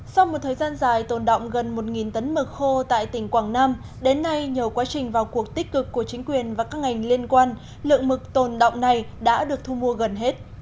sau một thời gian dài tồn động gần một tấn mực khô tại tỉnh quảng nam đến nay nhờ quá trình vào cuộc tích cực của chính quyền và các ngành liên quan lượng mực tồn động này đã được thu mua gần hết